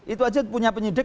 itu aja punya penyidik